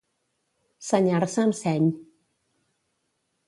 Senyar-se amb seny.